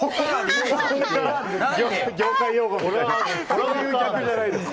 そういう逆じゃないですよ。